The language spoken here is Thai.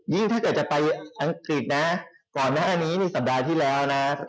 ยิ่งถ้าจะไปอังกฤษก่อนหน้านี้๒สัปดาห์ที่แล้ว